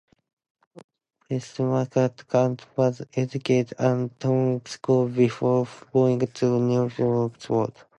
Westmacott was educated at Taunton School before going to New College, Oxford.